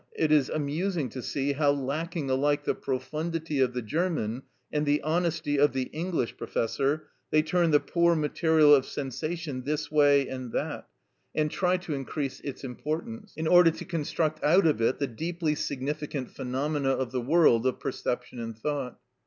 It is amusing to see how, lacking alike the profundity of the German and the honesty of the English philosopher, they turn the poor material of sensation this way and that way, and try to increase its importance, in order to construct out of it the deeply significant phenomena of the world of perception and thought.